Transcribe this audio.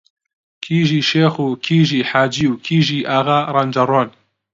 کیژی شێخ و کیژی حاجی و کیژی ئاغا ڕەنجەڕۆن